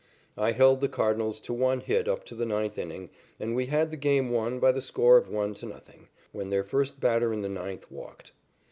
I held the Cardinals to one hit up to the ninth inning, and we had the game won by the score of 1 to 0, when their first batter in the ninth walked.